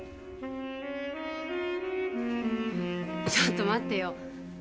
ちょっと待ってよ